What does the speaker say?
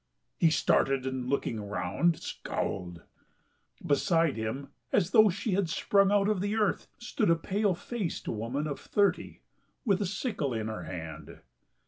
He started and, looking round, scowled. Beside him, as though she had sprung out of the earth, stood a pale faced woman of thirty with a sickle in her hand.